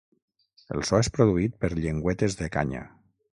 El so és produït per llengüetes de canya.